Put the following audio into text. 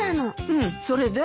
うんそれで？